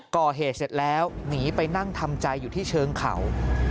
ก่อเหตุเสร็จแล้วหนีไปนั่งทำใจอยู่ที่เชิงเขา